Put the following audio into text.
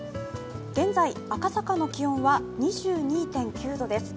現在、赤坂の気温は２２．９度です。